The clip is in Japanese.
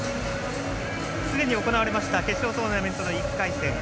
すでに行われました決勝トーナメントの１回戦